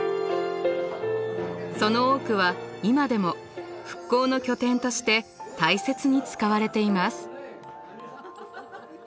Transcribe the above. その多くは今でも復興の拠点として大切に使われています。